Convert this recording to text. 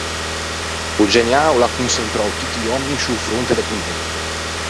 O geneâ o l’à conçentrou tutti i òmmi in sciô fronte de Ponente.